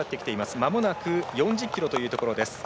まもなく４０ｋｍというところです。